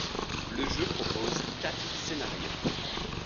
Le jeu propose quatre scénarios.